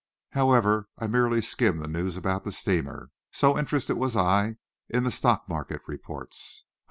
"However, I merely skimmed the news about the steamer, so interested was I in the stock market reports.